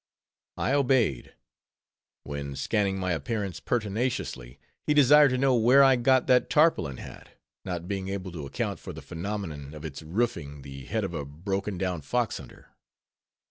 _ I obeyed; when scanning my appearance pertinaciously, he desired to know where I got that tarpaulin hat, not being able to account for the phenomenon of its roofing the head of a broken down fox hunter.